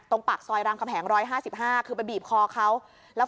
ตรงปักซอยรามแขมแหงร้อยห้าสิบห้าคือไปบีบคอเขาแล้ว